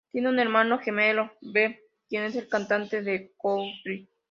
Tiene un hermano gemelo, Ben, quien es cantante de country.